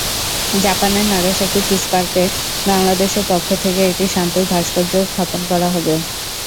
জাপানের Nagasaki peace পার্কে বাংলাদেশের পক্ষ থেকে একটি শান্তির ভাস্কর্য স্থাপন করা হবে।